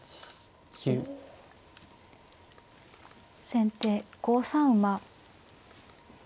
先手５三馬。